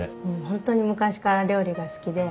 本当に昔から料理が好きで。